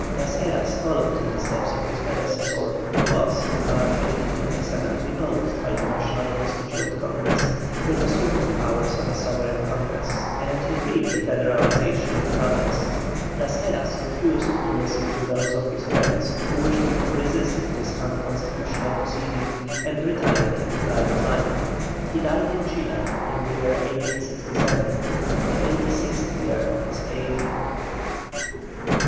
Las Heras followed in the steps of his predecessor, but was in March, 1826, deposed by the National Constituent Congress, which assumed the powers of a sovereign congress, and decreed the federalization of the province. Las Heras refused to listen to those of his friends who wished him to resist this unconstitutional proceeding, and retired into private life. He died in Chile in the year 1866, in the eighty sixth year of his age.